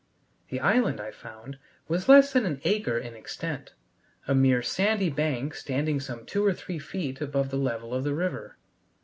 The island, I found, was less than an acre in extent, a mere sandy bank standing some two or three feet above the level of the river.